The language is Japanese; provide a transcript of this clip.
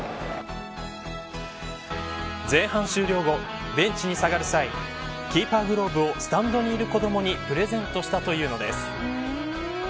前半終了後、ベンチに下がる際キーパーグローブをスタンドにいる子どもにプレゼントしたというのです。